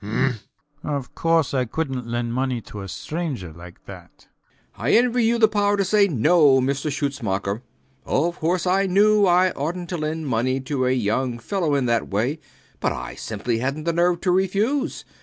Of course I couldnt lend money to a stranger like that. B. B. I envy you the power to say No, Mr Schutzmacher. Of course, I knew I oughtnt to lend money to a young fellow in that way; but I simply hadnt the nerve to refuse.